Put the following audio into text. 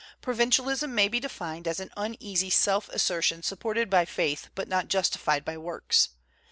Provincialism may be defined as an uneasy self assertion supported by faith but not justified by works.